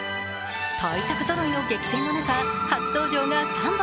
大作ぞろいの激戦の中初登場が３本。